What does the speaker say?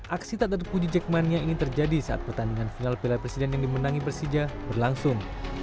aksi tak terpuji jackmania ini terjadi saat pertandingan final piala presiden yang dimenangi persija berlangsung